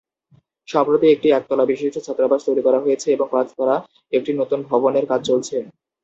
সম্প্রতি একটি এক তলা বিশিষ্ট ছাত্রাবাস তৈরি করা হয়েছে, এবং পাঁচ তলা একটি নতুন ভবনের কাজ চলছে।